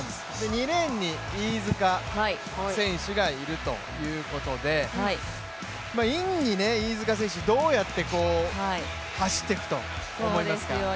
２レーンに飯塚選手がいるということでインに飯塚選手、どうやって走っていくと思いますか。